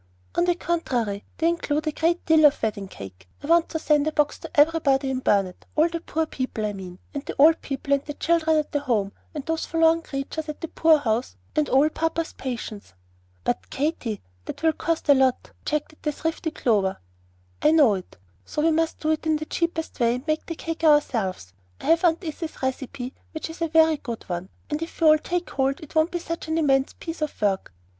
"On the contrary, they include a great deal of wedding cake. I want to send a box to everybody in Burnet, all the poor people, I mean, and the old people and the children at the Home and those forlorn creatures at the poor house and all papa's patients." "But, Katy, that will cost a lot," objected the thrifty Clover. "I know it; so we must do it in the cheapest way, and make the cake ourselves. I have Aunt Izzy's recipe, which is a very good one; and if we all take hold, it won't be such an immense piece of work.